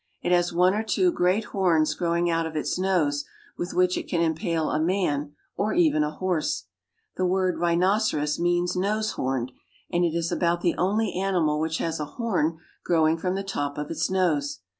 It has one or two great horns growing out of its nose, with which it can impale a man or even a horse. 'J'he Rhinoceros. "rhinoceros" means "nose homed," and it is about the only animal which has a horn growing from the top of its nose.